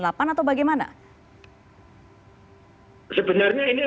sebenarnya ini adalah data intelijen dengan konsumsi terbatas